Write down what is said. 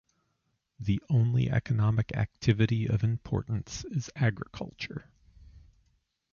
The only economic activity of importance is agriculture.